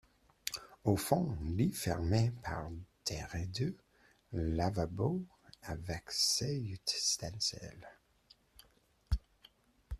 Au fond, lit fermé par des rideaux ; lavabo, avec ses ustensiles.